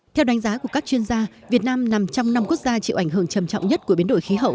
theo đánh giá của các chuyên gia việt nam nằm trong năm quốc gia chịu ảnh hưởng trầm trọng nhất của biến đổi khí hậu